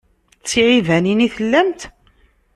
D tiɛibanin i tellamt?